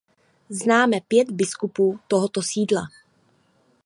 Známe pět biskupů tohoto sídla.